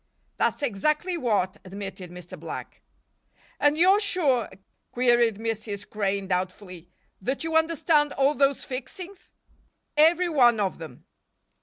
"That's exactly what," admitted Mr. Black. "And you're sure," queried Mrs. Crane, doubtfully, "that you understand all those fixings?" "Every one of them."